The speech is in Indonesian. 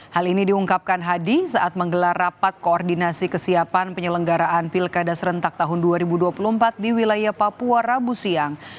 hal ini diungkapkan hadi saat menggelar rapat koordinasi kesiapan penyelenggaraan pilkada serentak tahun dua ribu dua puluh empat di wilayah papua rabu siang